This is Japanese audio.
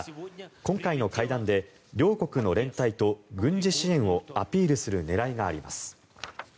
今回の会談で両国の連帯と軍事支援をアピールする狙いがあります。